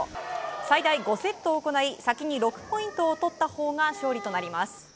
最大５セット行い先に６ポイントを取ったほうが勝利となります。